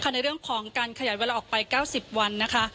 ในเรื่องของการขยายเวลาออกไป๙๐วันนะคะ